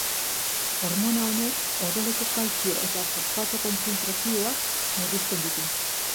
Hormona honek odoleko kaltzio eta fosfato kontzentrazioak murrizten ditu.